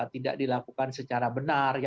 tidak dilakukan secara benar